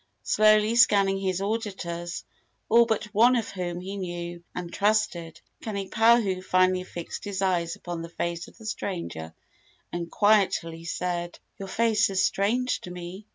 Slowly scanning his auditors, all but one of whom he knew and trusted, Kanipahu finally fixed his eyes upon the face of the stranger and quietly said: "Your face is strange to me.